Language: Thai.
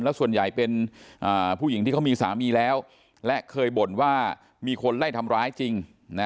แล้วส่วนใหญ่เป็นผู้หญิงที่เขามีสามีแล้วและเคยบ่นว่ามีคนไล่ทำร้ายจริง